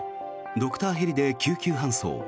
ドクターヘリで救急搬送。